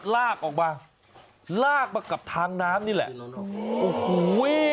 ลากออกมาร่างไปกับทางน้ำนี่แหละ